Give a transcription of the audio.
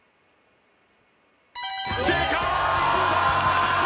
正解！